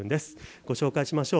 ご紹介しましょう。